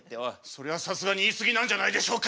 それはさすがに言い過ぎなんじゃないでしょうか？